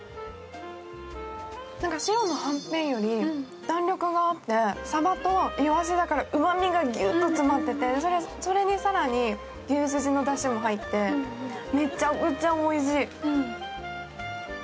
白のはんぺんより弾力があって、サバとイワシだから、うまみがギュッと詰まっててそれに更に牛すじのだしも入ってめちゃくちゃおいしい。